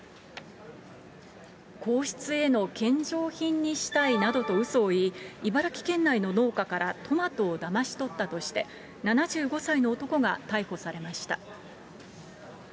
皇室への献上品にしたいなどとうそを言い、茨城県内の農家から、トマトをだまし取ったとして、７５歳の男が逮捕されました。